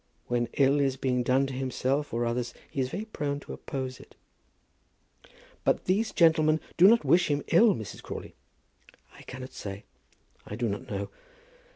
When ill is being done to himself or others he is very prone to oppose it." "But these gentlemen do not wish to do him ill, Mrs. Crawley." "I cannot say. I do not know.